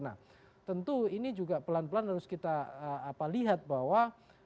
nah tentu ini juga pelan pelan harus kita lihat bahwa